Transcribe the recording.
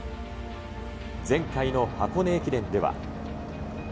前回の箱根駅伝では。